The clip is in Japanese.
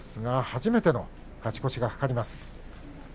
初めて勝ち越しが懸かります。